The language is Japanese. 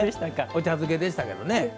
お茶漬けでしたけどね。